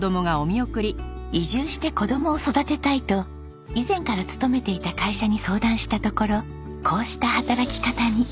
移住して子供を育てたいと以前から勤めていた会社に相談したところこうした働き方に。